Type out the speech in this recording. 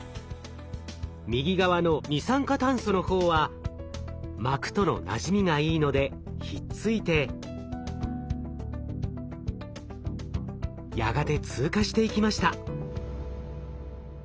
右側の二酸化炭素の方は膜とのなじみがいいのでひっついてやがて通過していきました。